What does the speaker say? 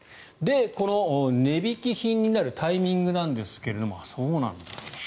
この値引き品になるタイミングなんですがそうなんだと。